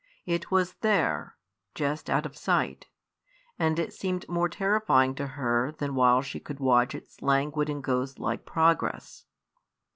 It was there, just out of sight; and it seemed more terrifying to her than while she could watch its languid and ghostlike progress.